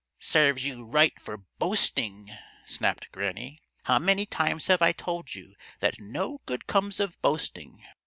"Serves you right for boasting!" snapped Granny. "How many times have I told you that no good comes of boasting?